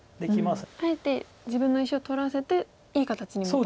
あえて自分の石を取らせていい形に持っていこうと。